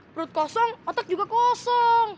perut kosong otak juga kosong